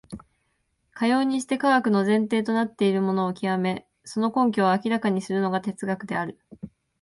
かようにして科学の前提となっているものを究め、その根拠を明らかにするのが哲学である。